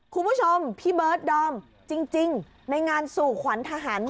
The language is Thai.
คุณผู้ชมพี่เบิร์ดดอมจริงในงานสู่ขวัญทหาร